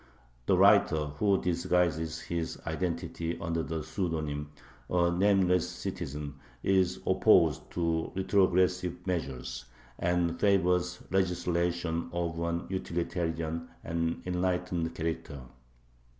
The writer, who disguises his identity under the pseudonym "A Nameless Citizen," is opposed to retrogressive measures, and favors legislation of an utilitarian and enlightened character.